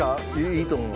いいと思う。